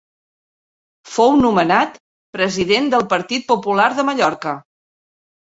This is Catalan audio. Fou nomenat president del Partit Popular de Mallorca.